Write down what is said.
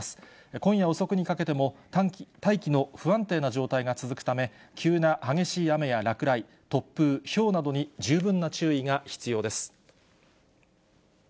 今夜遅くにかけても、大気の不安定な状態が続くため、急な激しい雨や落雷、突風、ひょうなどに十分な注意が必要です。